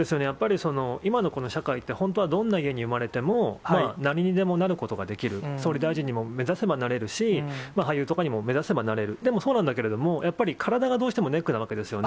今のこの社会って、本当にどんな家に生まれても、何にでもなることができる、総理大臣にも目指せばなれるし、俳優とかにも目指せばなれる、でもそうなんだけれども、やっぱりカラダがどうしてもネックなわけですよね。